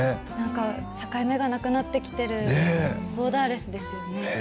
境目がなくなっているボーダーレスですよね。